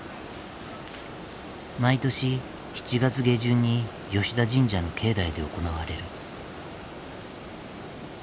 毎年７月下旬に吉田神社の境内で行われる。